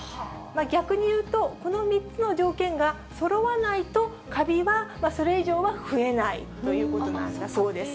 逆に言うと、この３つの条件がそろわないと、かびはそれ以上は増えないということなんだそうです。